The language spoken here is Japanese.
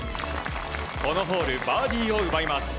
このホールバーディーを奪います。